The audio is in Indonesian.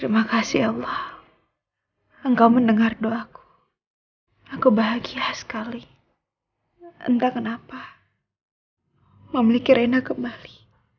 memiliki rena kembali